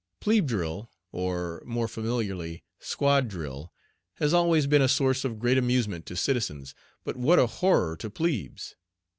"Plebe drill," or, more familiarly, "squad drill," has always been a source of great amusement to citizens, but what a horror to plebes.